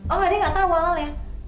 oh nggak dia nggak tahu awal ya